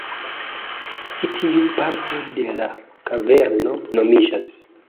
Ĉi tiu parto de la kaverno nomiĝas